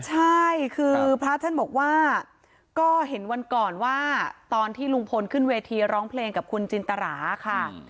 ใช่คือพระท่านบอกว่าก็เห็นวันก่อนว่าตอนที่ลุงพลขึ้นเวทีร้องเพลงกับคุณจินตราค่ะ